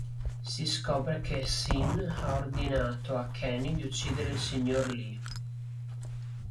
Si scopre che Hsin ha ordinato a Kenny di uccidere il signor Lee.